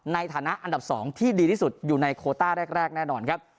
ในฐานะอันดับ๒ที่ดีที่สุดอยู่ในโคต้าแรกแน่นอนครับ